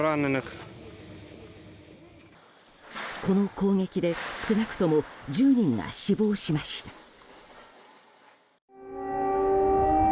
この攻撃で少なくとも１０人が死亡しました。